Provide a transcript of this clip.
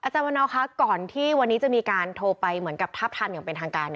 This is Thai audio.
อเรนนี่อาจารย์วันนี้จะมีการโทรไปเหมือนกับทัพทัพอย่างเป็นทางการ